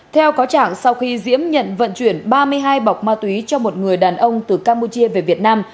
theo cáo trạng sau khi diễm nhận vận chuyển ba mươi hai bọc ma túy cho một người đàn ông từ campuchia về việt nam